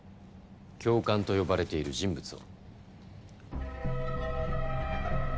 「教官」と呼ばれている人物を。